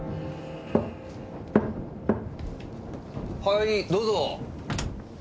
はいどうぞ！